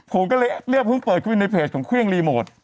ผมก็เลยเนี่ยเพิ่งเปิดเข้าไปในเพจของเครื่องรีโมท